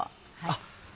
あっ！